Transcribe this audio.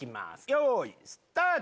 よいスタート！